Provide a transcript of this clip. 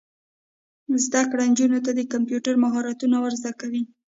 زده کړه نجونو ته د کمپیوټر مهارتونه ور زده کوي.